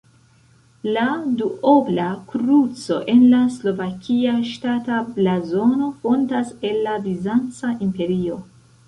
La duobla kruco en la slovakia ŝtata blazono fontas el la Bizanca Imperio.